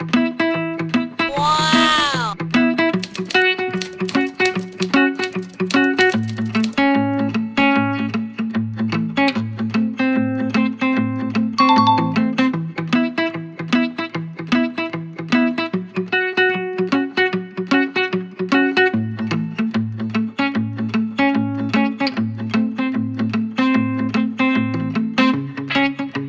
สามสองหนึ่งค่ะ